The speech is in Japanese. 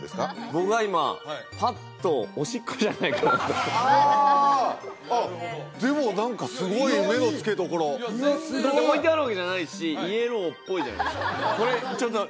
僕は今パッとおしっこじゃないかなとああでも何かすごい目の付けどころだって置いてあるわけじゃないしイエローっぽいじゃないですか